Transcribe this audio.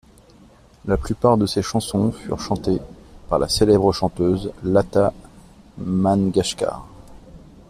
La plupart de ses chansons furent chantées par la célèbre chanteuse Lata Mangeshkar.